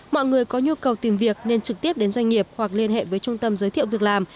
mọi người có nhu cầu tìm việc nên trực tiếp đến doanh nghiệp hoặc liên hệ với trung tâm giới thiệu việc làm